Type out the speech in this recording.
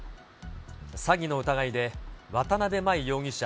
詐欺の疑いで渡辺真衣容疑者